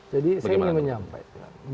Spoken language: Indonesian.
jadi saya ingin menyampaikan